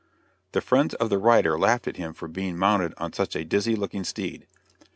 The friends of the rider laughed at him for being mounted on such a dizzy looking steed.